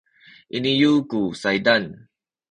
iniyu ku saydan